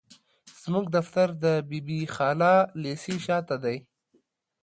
زموږ دفتر د بي بي خالا ليسي شاته دي.